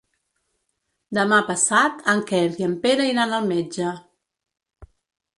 Demà passat en Quer i en Pere iran al metge.